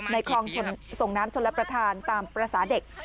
ในคลองส่งน้ำชนระประทานตามประสาทเด็ก